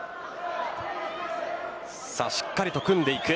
しっかりと組んでいく。